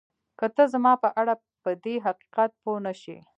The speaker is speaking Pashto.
که ته زما په اړه پدې حقیقت پوه نه شې